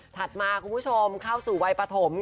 ถัดมาคุณผู้ชมเข้าสู่วัยปฐมค่ะ